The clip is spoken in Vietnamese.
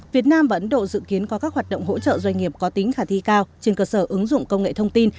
việt nam và ấn độ dự kiến có các hoạt động hỗ trợ doanh nghiệp có tính khả thi cao trên cơ sở ứng dụng công nghệ thông tin